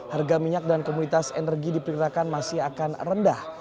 harga minyak dan komunitas energi diperkirakan masih akan rendah